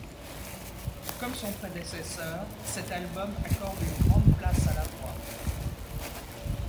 Comme son prédécesseur, cet album accorde une grande place à la voix.